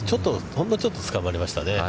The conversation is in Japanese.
ほんのちょっと、つかまりましたね。